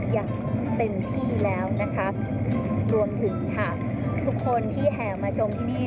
อย่างเต็มที่แล้วนะคะรวมถึงค่ะทุกคนที่แห่มาชมที่นี่